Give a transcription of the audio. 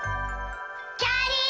⁉きゃりー！